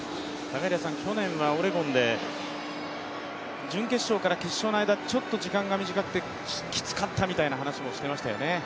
去年はオレゴンで、準決勝から決勝の間、時間が短くてきつかったという話もしていましたよね。